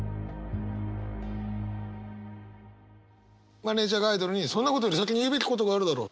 マネージャーがアイドルに「そんなことより先に言うべきことがあるだろう」。